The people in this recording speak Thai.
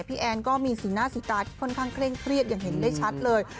แอนก็มีสีหน้าสีตาที่ค่อนข้างเคร่งเครียดอย่างเห็นได้ชัดเลย